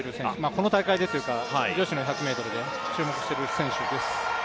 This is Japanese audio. この大会でというか女子の１００ｍで注目している選手です。